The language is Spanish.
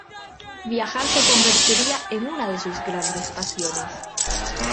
Viajar se convertiría en una de sus grandes pasiones.